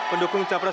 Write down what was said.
pendukung capres satu